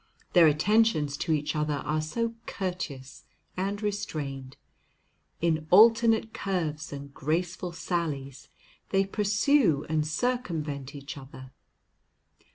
Their attentions to each other are so courteous and restrained. In alternate curves and graceful sallies, they pursue and circumvent each other.